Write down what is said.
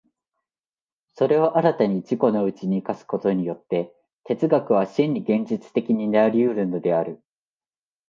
それらを新たに自己のうちに生かすことによって、哲学は真に現実的になり得るのである。